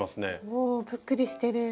おぷっくりしてる。